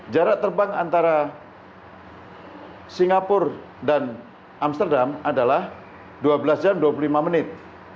jarak terbang antara singapura dan amsterdam adalah dua belas jam dua puluh lima menit